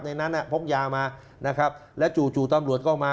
ในนั้นพกยามานะครับแล้วจู่จู่ตำรวจก็มา